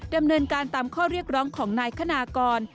ดำเนินการตามข้อเรียกร้องของนายคณากร